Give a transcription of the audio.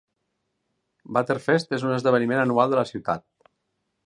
Butterfest és un esdeveniment anual de la ciutat.